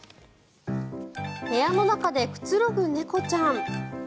部屋の中でくつろぐ猫ちゃん。